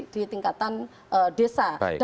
di tingkatan desa